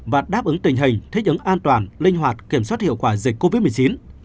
và đáp ứng tình hình thích ứng an toàn linh hoạt kiểm soát hiệu quả dịch covid một mươi chín